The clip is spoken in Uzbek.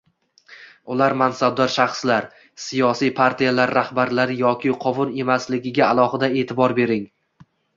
Ular mansabdor shaxslar, siyosiy partiyalar rahbarlari yoki qovun emasligiga alohida e'tibor bering